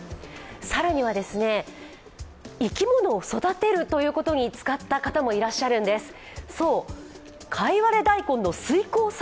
更には生き物を育てるということに使った方もいらっしゃるんです。